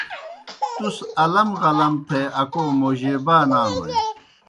تُس الم غلم تھے اکو موجیبا نانوئے۔